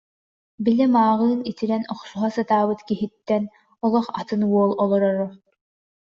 Били мааҕын итирэн охсуһа сатаабыт киһиттэн олох атын уол олороро